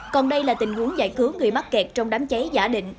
còn đây là tình huống giải cứu người mắc kẹt trong đám cháy giả định